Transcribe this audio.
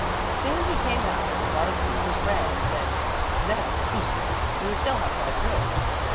Soon he came back with a large piece of bread and said: "There, eat; you still have far to go."